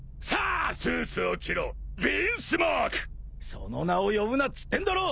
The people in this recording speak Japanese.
その名を呼ぶなっつってんだろ！